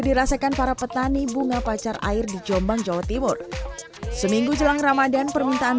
dirasakan para petani bunga pacar air di jombang jawa timur seminggu jelang ramadhan permintaan